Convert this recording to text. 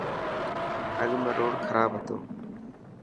اڳ ۾ روڊ کراب هتو.